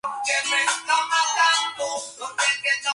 Aun así, los humanos no estaban desprevenidos.